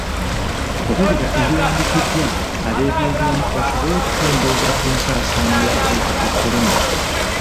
Goberera ebirambikiddwa ab'ebyobulamu osobole okukendeeza ku nsaasaana y'akawuka ka kolona.